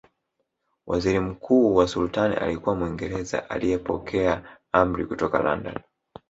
Waziri mkuu wa Sultani alikuwa Mwingereza aliyepokea amri kutoka London